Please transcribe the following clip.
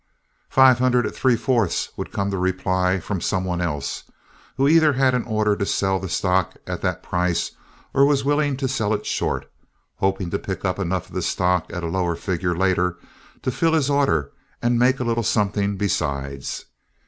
"Five hundred at three fourths," would come the reply from some one else, who either had an order to sell the stock at that price or who was willing to sell it short, hoping to pick up enough of the stock at a lower figure later to fill his order and make a little something besides.